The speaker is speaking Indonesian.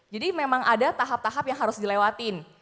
jadi memang ada tahap tahap yang harus dilewatin